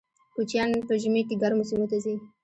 کوچیان په ژمي کې ګرمو سیمو ته ځي